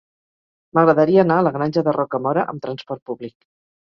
M'agradaria anar a la Granja de Rocamora amb transport públic.